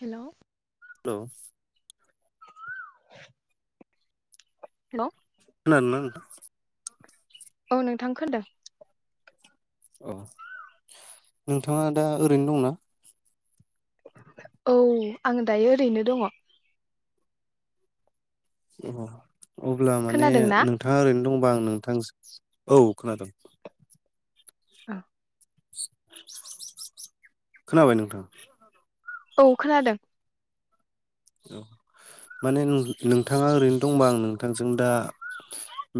Hello हेल' [unintelligible] हेल' खोनादों ना नोंथां? औ नोंथां खोनादों औ नोंथाङा दा ओरैनो दंना? औ आं दायो ओरैनो दङ। अ अब्ला माने खोनादों ना नोंथाङा ओरैनो दंबा आं नोंथां औ खोनादोंं। औ। खोनाबाय नोंथां। औ खोनादों। औ माने नों नोंथाङा ओरैनो दंबा आं नोंथांजों दा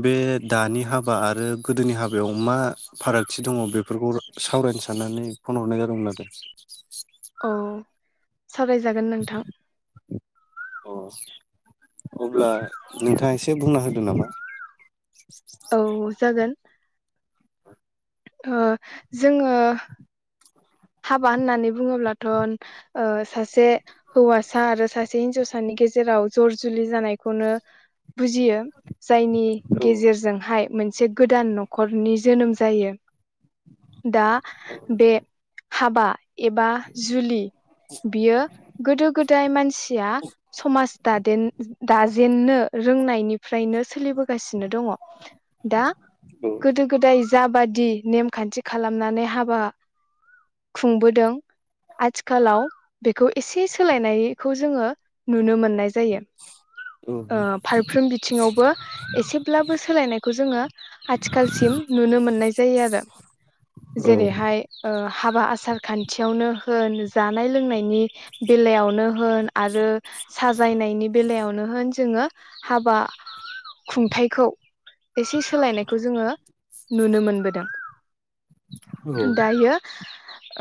बे दानि हाबा आरो गोदोनि हाबायाव मा फारागथि दङ बेफोरखौ सावरायनो साननानै फन हरनाय जादोंमोन आरो। औ सावरायजागोन नोंथां। अ अब्ला नोंथाङा एसे बुंना होदो नामा? [unintelligible] अ जोङो हाबा होननानै बुङोब्लाथ' ओ सासे हौवासा आरो सासे हिन्जावसानि गेजेराव जर जुलि जानायखौनो बुजियो। जायनि औ गेजेरजोंहाय मोन से गोदान न'खरनि जोनोम जायो। दा बे हाबा एबा जुलि बियो गोदो गोदाय मानसिया समाजदाद जेन दाजेननो रोंनायनि फ्रायनो सोलिबोगासिनो दङ। औ जाबादि नेमखान्थि खालामनानै हाबा खुंबोदों आथिखालाव बेखौ एसे सोलायनायखौ जोङो नुनो मोनो नाय जायो ओ फारफ्रोम बिथिङावबो एसेब्लाबो सोलायनायखौ जोङो आथिखालसिम नुनो मोननाय जायो आरो जेरैहाय ओ हाबा आसार खान्थियावनो होन जानाय लोंनायनि बेलायावनो होन आरो सायनायनि बेलायावनो होन जोङो हाबा खुंथायाइखौ एसे सोलायनायखौ जोङो नुनो मोनबोदों दायो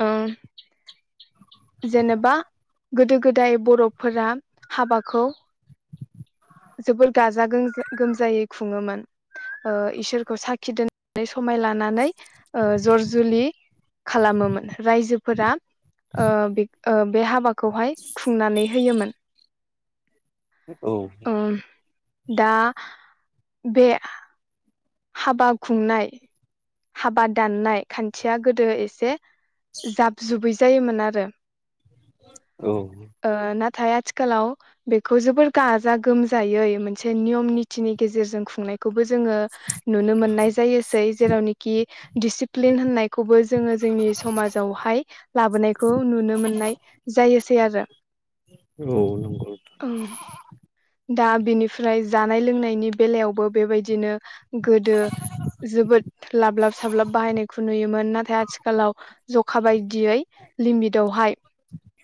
ओ जेनेबा गोदो गोदाय बर'फोरा हाबाखौ जोबोर गाजा गोमजा गोमजायै खुङोमोन इसोरखौ साखि दोननानै समाय लानानै जर जुलि खालामोमोन रायजोफोरा ओ ओ बे हाबा खौहाय खुंनानै होयोमोन औ ओ दा बे हाबा खुंनाय हाबा दाननाय खान्थिया गोदो एसे जाब जुबै जायोमोन आरो औ ओ नाथाय आथिखालाव बेखौ जोबोर गाजा गोमजायै मोनसे नियम नितनि गेजेरजों खुंनायखौबो जोङो नुनो मोननाय जायोसै जेरावनिखि दिसिप्लिन होननायखौबो जोङो जोंनि समाजावहाय लाबोनायखौ नुनो मोननाय जायोसै आरो औ नंगौ नोंथां दा बिनिफ्राय जानाय लोंनायनि बेलायावबो बेबायदिनो गोदो जोबोद लाबलाब साब्लाब बाहायनायखौ नुयोमोन नाथाय आथिखालाव जखा बायदियै लिमिटावहाय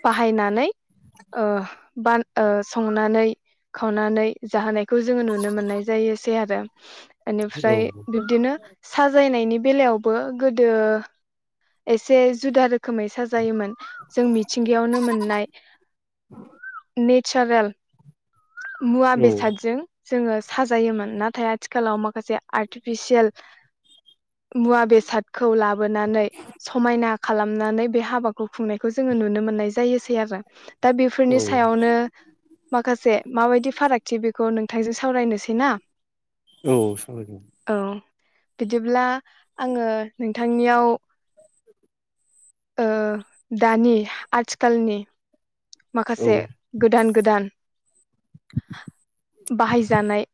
बाहायनानै ओ बा ओ संनानै खावनानै जाहोनाय खौ जोङो नुनो मोननाय जायोसै आरो [inaudible] औ बेनिफ्राय बिब्दिनो साजायनायनि बेलायावबो गोदो एसे जुदा रोखोमै साजायोमोन जों मिथिंगायावनो मोननाय नेचारेल मुवा औ बेसादजों जोङो साजायोमोन नाथाय आथिखालाव माखासे आर्टिफिसियेल मुवा बेसादखौ लाबो बोनानै समायना खालामनानै बे हाबाखौ खुंनायखौ जोङो नुनो मोननाय जायोसै आरो दा बेफोरनि औ सायावनो माखासे बायदि फागथि बेखौ। नोंथांजों सावरायनोसै ना। औ। औ बिदिब्ला आङो नोंथांनियाव दानि आथिखालनि औ माखासे गोदान गोदान। बाहायजानाय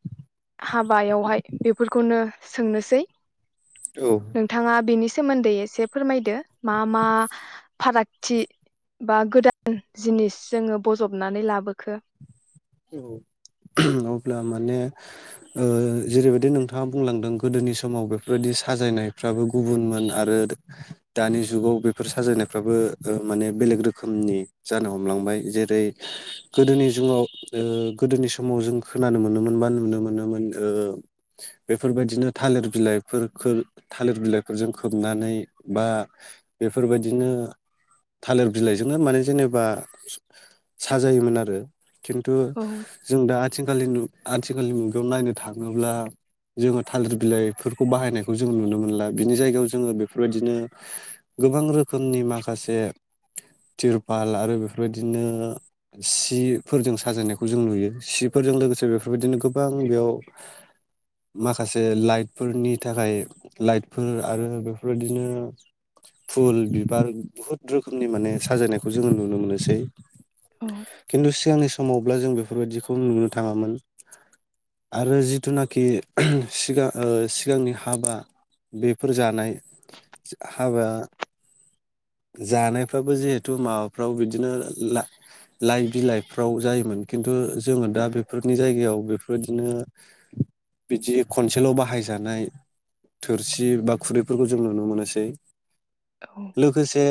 हाबायावहाय बेफोरखौनो सोंनोसै। औ नोंथाङा बेनि सोमोन्दै एसे फोरमायदो। मा मा फाराग। थि बा गोदान जिनिस जोङो बजबनानै लाबोखो। औ अब्ला माने जेरैबायदि नोंथाङा बुंलांदों गोदोनि समाव बेफोर बायदि साजायनायफ्राबो गुबुनमोन आरो दानि जुगाव बेफोर साजायनायफ्राबो माने बेलेग रोखोमनि जानो हमलांबाय जेरै गोदोनि जुगाव गोदोनि समाव जों खोनानो मोनोमोन बा नुनो मोनोमोन बेफोर बायदिनो थालिर बिलाइफोर थालिर बिलाइफोरजों खोबनानै बा बेफोर बायदिनो थालिर बिलाइजोंनो माने जेनेबा साजायोमोन आरो। थ' औ जों दा आथिखालनि आथिखालनि मुगायाव नायनो थाङोब्ला जोङो थालिर बिलाइफोरखौ बाहायनायखौ जोङो नुनो मोनला बिनि जायगायाव जोङो बेफोर बायदिनो गोबां रोखोमनि माखासे तिरपाल आरो बेफोर बायदिनो सिफोरजों साजायनायखौ जों नुयो सिफोरजों लोगोसे बेफोर बायदिनो गोबां बेयाव माखासे लाइटफोरनि थाखाय लाइटफोर आरो बेफोर बायदिनो फुल बिबार बुहुत रोखोमनि माने साजायनायखौ जोङो नुनो मोनोसै। औ खिथु सिगांनि समा। समावब्ला जों बेफोर बाददिखौ नुनो थाङामोन आरो जिथुनाखि सिगां सिगांनि हाबा बेफोर जानाय हाबा जानायफ्राबो जिहेथु माबाफ्राव बिदिनो लाइ बिलाइ जायोमोन खिन्थु जोङो दा बेफोरनि जायगायाव बेफोर बायदिनो बिदि खनसेल' बाहायजानाय थोरसि बा खुरैफोरखौ जों नुनो मोनोसै। लोगोसे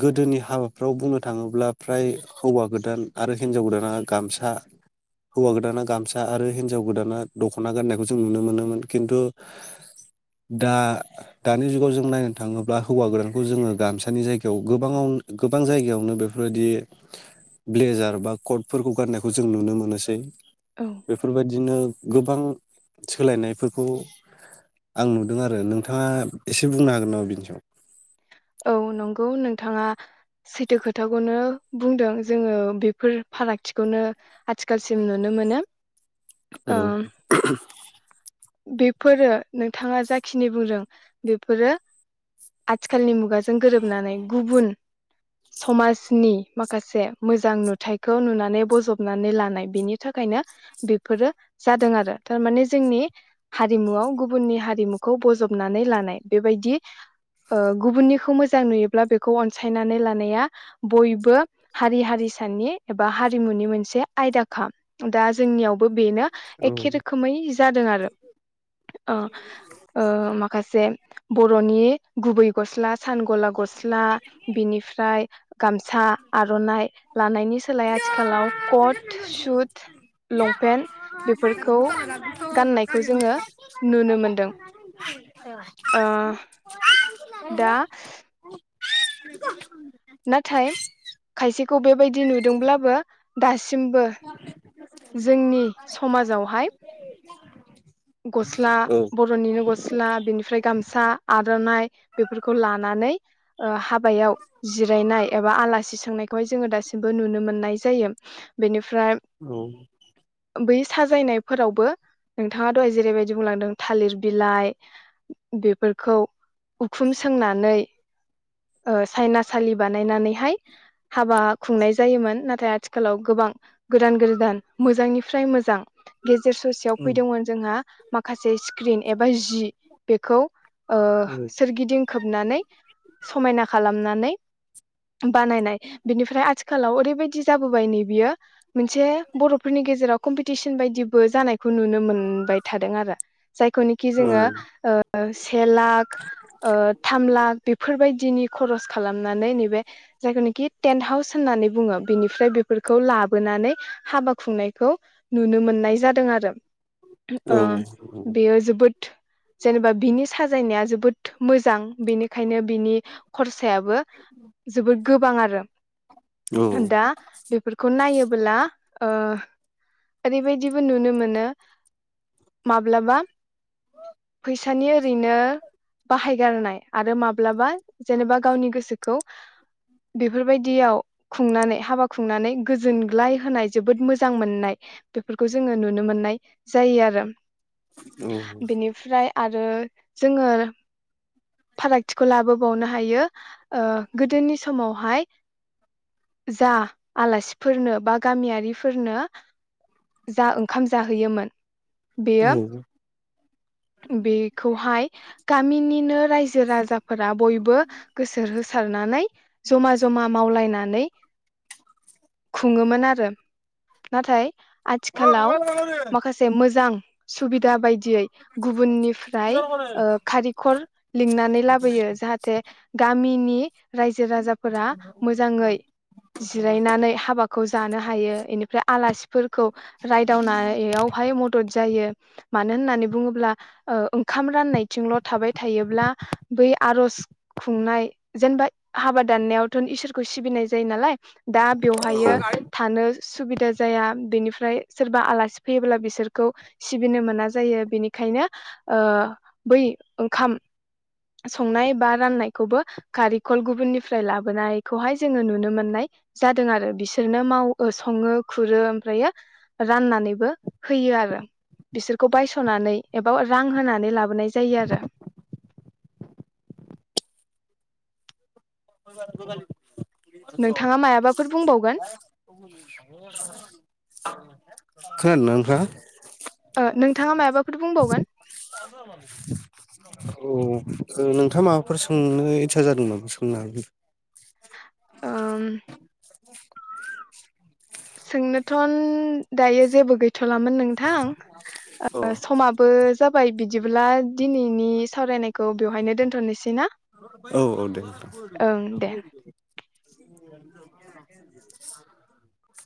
गोदोनि हाबाफ्राव बुंनो थाङोब्ला फ्राय हौवा गोदान आरो हिनजाव गोदाना गसा हौवा गोदाना गामसा आरो हिनजाव गोदाना दख'ना गाननायखौ जों नुनो मोनोमोन खिन्थु दा दानि जुगाव जों नायनो थाङोब्ला हौवा गोदानखौ जोङो गामसानि जायगायाव गोबां गोबां जायगायावनो बेफोर बायदि ब्लेजार बा कटफोरखौ गाननायखौ जों नुनो मोनोसै। बेफोर बायदिनो। गोबां सोलायनायफोरखौ आं नुदों आरो नोंथाङा एसे बुंनो हागोन नामा बिनि सायाव। औ नंगौ नोंथाङा सैथो खोथाखौनो बुंदों जोङो बेफोर फारागथिखौनो आथिखालसिम नुनो मोनो। औ। ओ बेफोरो नोंथाङा जाखिनि बुंदों बेफोरो आथिखालनि मुगा जों गोरोबनानै गुबुन समाजनि माखासे मोजां नुथायखौ नुनानै बजबनानै लानाय बेनि थाखायनो बेफोरो जादों आरो थार माने जोंनि हारिमुआव गुबुननि हारिमुखौ बजबनानै लानाय बेबायदि गुबुननिखौ मोजां नुयोब्ला बेखौ अनसायनानै लानाया बयबो हारि हारिसानि एबा हारिमुनि मोनसे आयदाखा दा जोंनियावबो। बेनो औ एखे रोखोमै जादों आरो। ओ ओ माखासे। जे बर'नि गुबै गस्ला सान गला गस्ला। बिनिफ्राय गामसा आर'नाइ लानायनि सोलाय आथिखालाव कट सुट लंपेन्ट बेफोरखौ गाननाय। खौ जोङो नुनो मोनदों ओ दा नाथाय खायसे खौ बेबायदि नुदोंब्लाबो दासिमबो जोंनि समाजावहाय गस्ला औ बरनिनो गस्ला बिनिफ्राय गामसा आरो [unintelligible] बेफोरखौ लानानै ओ हाबायाव जिरायनाय ऐसा आलासि- थांनायखौहाय जोङो दासिमबो नुनो मोननाय जायो बेनि औ साजायनायफोरावबो नोंथाङा दहाय जेरैबायदि बुंलांदों थालिर बिलाइ बेफोरखौ उखुम सोंनानै सायनासालि बानायनानैहाय हाबा खुंनाय जायोमोन नाथाय आथिखालाव गोबां गोदान गोदान मोजांनिफ्राय मोजां गेजेर ससेयाव औ फैदोंमोन जोंहा माखासे स्क्रिन एबा जि बेखौ सोरगिदिं खोबनानै समायना खालामनानै बानायनाय बिनिफ्राय आथिखालाव ओरैबायदि जाबोबाय नै बियो मोनसे बर'फोरनि गेजेराव कम्पिटिसन बायदिबो जानाय खौ नुनो मोनबाय थादों आरो जायखौनोखि औ जोङो से ला थाम लाख बायदिनि खरस खालामनानै नैबे जायखौनाखि टेन्ट हाउस होननानै बुङो बेनिफ्राय बेफोरखौ लाबोनानै हाबा खुंनायखौ नुनो मोननाय जादों आरो बेयो जोबोद जेनेबा बिनि साजायनाया जोबोद मोजां बेनिखायनो ओंखायनो बिनि खरसा फसाबो जोबोद गोबां आरो [unintelligible] दा बेफोरखौ नायोब- बोला ओ ओरैबायदिबो नुनो मोनो माब्लाबा फैसानि ओरैनो बाहायगारनाय आरो माब्लाबा जेनेबा गावनि गोसोखौ बेफोरबायदियाव खुंनानै हाबा खुंनानै गोजोनग्लाय होनाय जोबोद मोजां मोननाय बेफोरखौ जोङो नुनो मोननाय जायो आरो बेनिफ्राय आरो रो जोङो फारागथिखौ लाबोबावनो हायो ओ गोदोनि समावहाय जा आलासिफोरनो बा गामियारिफोरनो जा ओंखाम जाहोयोमोन बेयो बेखौहाय गामिनिनो राय जो राजाफोरा बयबो गोसो होसारनानै जमा जमा मावलायनानै खुंङोमोन आरो नाथाय आथिखालाव माखासे मोजां सुबिदा बायदियै गुबुननिफ्राय ओ खारिखर लिंनानै लाबोयो जाहाथे गामिनि रायजो राजाफोरा मोजाङै जिरायनानै हाबाखौ जानो हायो इनिफ्राय आलासिफोर खौ रायदावनायावहाय मदद जायो। मानो होननानै बुङोब्ला ओ ओंखाम राननायथिंल' थाबाय थायो ब्ला बै आर'ज खुंनाय जेनेबा हाबा दाननायावथ' इसोरखौ सिबिनाय जायो नालाय दा बेवहायो थानो सुबिदा जाया बेनिफ्राय सोरबा आलासि फैयोब्ला बिसोरखौ सिबिनो मोना जायो बेनिखायनो ओ बै ओंखाम संनाय बा राननायखौबो खारिखल गुबुननिफ्राय लाबोनायखौहाय जोङो नुनो मोननाय जादों आरो बिसोरनो माव ओ सङो खुरो ओमफ्रायो राननानैबो होयो आरो बिसोरखौ बायस'नानै एबाव रां होनानै लाबोनाय जायो आरो [unintelligible] [unintelligible] नोंथाङा मायाबाफोर बुंबावगोन खोनादोंना नोंथांङा? ओ नोंथाङा मायबाफोर बुंबावगोन? अ ओ नोंथाङा माबाफोर सोंनो इच्सा जादों नामा सोंनो हागोन। ओम सोंनोथ'न दायो जेबो गैथ'लामोन नों थां औ ओ समाबो जाबाय बिदिब्ला दिनैनि सावरायनायखौ बेवहायनो दोनथ'नोसैना? औ औ दे नोंथां। दे [unintelligible]